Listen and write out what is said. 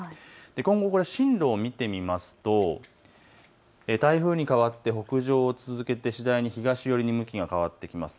今後の進路を見てみますと台風に変わって北上を続けて次第に東寄りに向きが変わってきます。